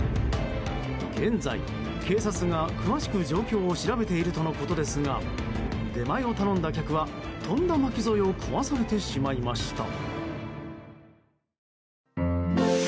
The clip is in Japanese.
現在、警察が詳しく状況を調べているとのことですが出前を頼んだ客はとんだ巻き添えを食わされてしまいました。